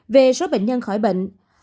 về số bệnh nhân khỏi bệnh